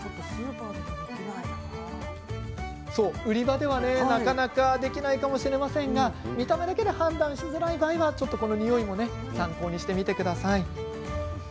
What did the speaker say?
売り場では、なかなかできないかもしれませんが見た目だけで判断しづらい時はにおいも参考にしてみてください。